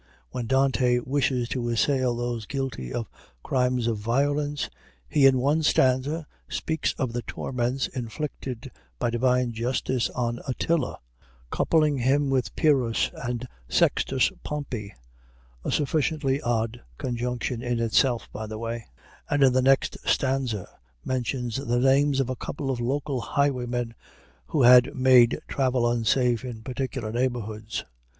When Dante wishes to assail those guilty of crimes of violence, he in one stanza speaks of the torments inflicted by divine justice on Attila (coupling him with Pyrrhus and Sextus Pompey a sufficiently odd conjunction in itself, by the way), and in the next stanza mentions the names of a couple of local highwaymen who had made travel unsafe in particular neighborhoods.